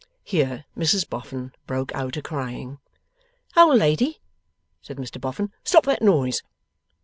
Here Mrs Boffin broke out a crying. 'Old lady,' said Mr Boffin, 'stop that noise!